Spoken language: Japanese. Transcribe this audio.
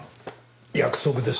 約束ですよ。